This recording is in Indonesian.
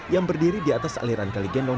yang berdiri di atas aliran kali gendong